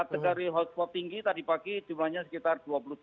kategori hotspot tinggi tadi pagi jumlahnya sekitar dua puluh tujuh